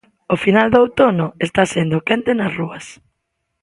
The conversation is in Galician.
O final do outono está sendo quente nas rúas.